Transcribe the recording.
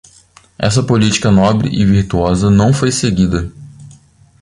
Esta política nobre e virtuosa não foi seguida.